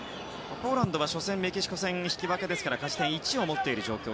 ポーランドは初戦のメキシコ戦引き分けですから勝ち点１を持っている状況。